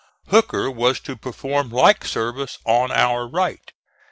Hooker was to perform like service on our right.